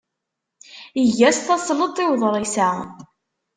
Eg-as tasleḍt i uḍris-a.